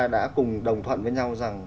đã cùng đồng thuận với nhau rằng